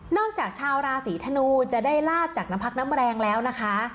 จากชาวราศีธนูจะได้ลาบจากน้ำพักน้ำแรงแล้วนะคะ